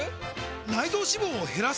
内臓脂肪を減らす！？